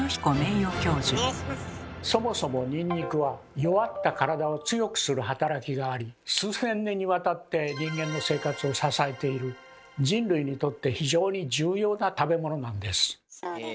そもそもニンニクは弱った体を強くする働きがあり数千年にわたって人間の生活を支えている人類にとって非常に重要な食べ物なんです。